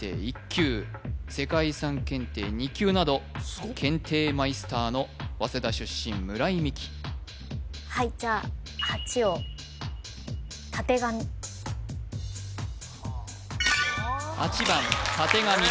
１級世界遺産検定２級など検定マイスターの早稲田出身村井美樹はいじゃあ８番たてがみ